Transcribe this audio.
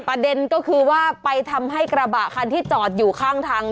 ประเด็นก็คือว่าไปทำให้กระบะคันที่จอดอยู่ข้างทาง